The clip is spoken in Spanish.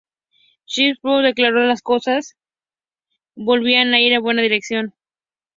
Chris Paine declaró que "las cosas volvían a ir en la buena dirección.